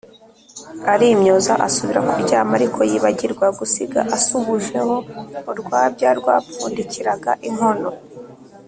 arimyoza asubira kuryama, ariko yibagirwa gusiga asubujeho urwabya rwapfundikiraga inkono.